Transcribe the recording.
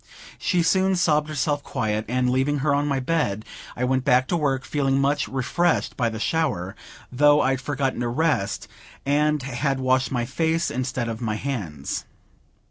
She soon sobbed herself quiet; and, leaving her on my bed, I went back to work, feeling much refreshed by the shower, though I'd forgotten to rest, and had washed my face instead of my hands.